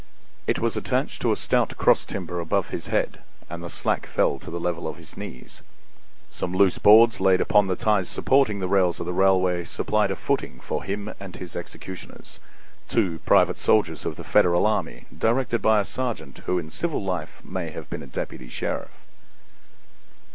It was attached to a stout cross timber above his head and the slack fell to the level of his knees. Some loose boards laid upon the ties supporting the rails of the railway supplied a footing for him and his executioners—two private soldiers of the Federal army, directed by a sergeant who in civil life may have been a deputy sheriff.